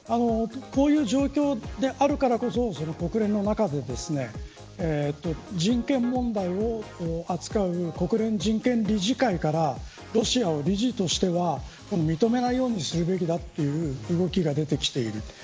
こういう状況であるからこそ国連の中で人権問題を扱う国連人権理事会からロシアを理事としては認めないようにするべきだという動きが出てきている。